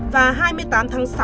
và hai mươi tám tháng sáu